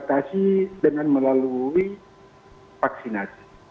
diadaptasi dengan melalui vaksinasi